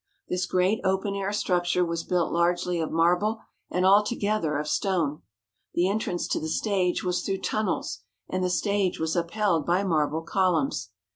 This great open air structure was built largely of marble and altogether of stone. The entrance to the stage was through tunnels, and the stage was upheld by marble columns.